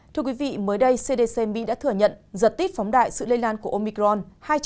thưa quý vị mới đây cdc mỹ đã thừa nhận giật tít phóng đại sự lây lan của omicron hai trăm hai mươi năm